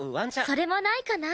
それもないかな。